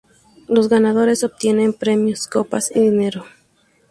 Los ganadores obtienen premios copas y dinero.